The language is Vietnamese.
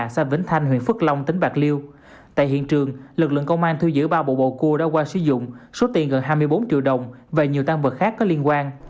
số tiền gần hai mươi bốn triệu đồng và nhiều tăng vật khác có liên quan